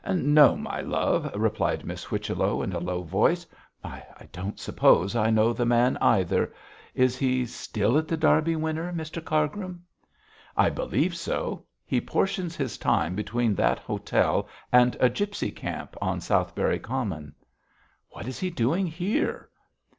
'No, my love,' replied Miss Whichello, in a low voice. 'I don't suppose I know the man either. Is he still at The Derby Winner, Mr Cargrim?' 'I believe so; he portions his time between that hotel and a gipsy camp on Southberry Common.' 'What is he doing here?'